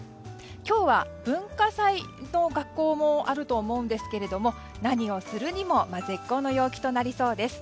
今日は文化祭の学校もあると思いますが何をするにも絶好の陽気となりそうです。